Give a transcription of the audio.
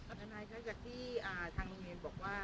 อันนี้ครับจากที่ทางโรงเรียนบอกว่า